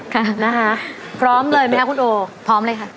ค่ะนะคะพร้อมเลยไหมคะคุณโอพร้อมเลยค่ะ